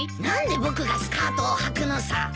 何で僕がスカートをはくのさ？